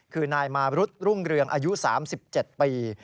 คือนายมารุษรุ่งเรืองอายุ๓๗ปี